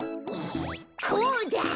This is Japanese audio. こうだ！